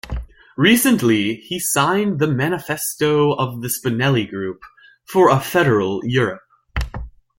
Recently, he signed the Manifesto of the Spinelli Group for a federal Europe.